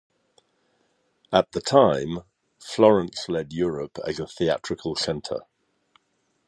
At the time Florence led Europe as a theatrical center.